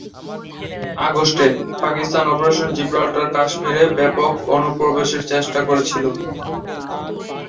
আগস্টে, Pakistan operation Gibraltar কাশ্মীরে ব্যাপক অনুপ্রবেশের চেষ্টা করেছিল।